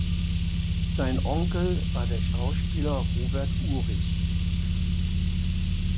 Sein Onkel war der Schauspieler Robert Urich.